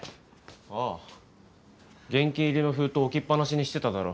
ああ現金入りの封筒置きっ放しにしてただろ？